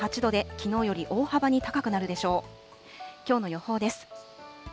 きょうの予報です。